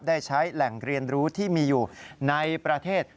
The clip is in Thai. ได้ใช้แหล่งเรียนรู้ที่มีอยู่ในประเทศ